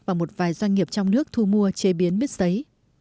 và một vài doanh nghiệp trong nước thu mua chế biến mít giấy